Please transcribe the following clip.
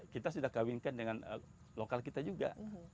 kita sudah kawinkan dengan lokal kita juga